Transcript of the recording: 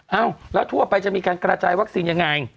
เอ้าแล้วทั่วไปจะมีการกระจายวัคซีนยังไง